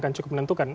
akan cukup menentukan